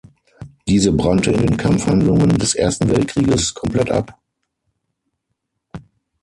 Diese brannte in den Kampfhandlungen des Ersten Weltkrieges komplett ab.